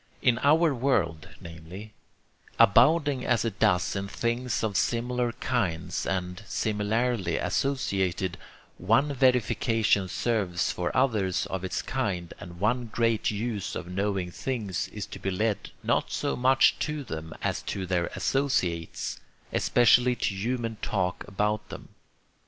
In our world, namely, abounding as it does in things of similar kinds and similarly associated, one verification serves for others of its kind, and one great use of knowing things is to be led not so much to them as to their associates, especially to human talk about them.